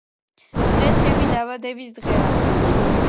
დღეს ჩემი დაბადებისდღეა